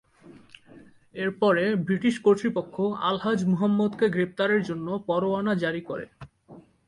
এরপরে ব্রিটিশ কর্তৃপক্ষ আলহাজ মুহাম্মদকে গ্রেপ্তারের জন্য পরোয়ানা জারি করে।